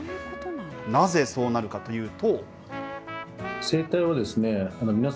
なぜそうなるかというと。